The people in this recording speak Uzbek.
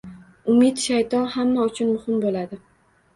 Umid shayton hamma uchun muhim bo'ladi